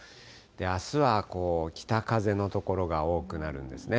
あすは北風の所が多くなるんですね。